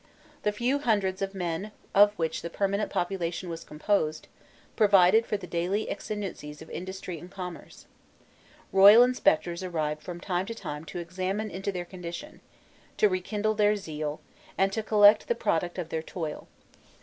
The few hundreds of men of which the permanent population was composed, provided for the daily exigencies of industry and commerce. Royal inspectors arrived from time to time to examine into their condition, to rekindle their zeal, and to collect the product of their toil.